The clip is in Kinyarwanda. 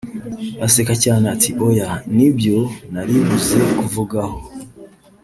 aseka cyane ati “oya Nibyo naribuze kuvugaho